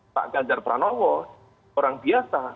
pak ganjar pranowo orang biasa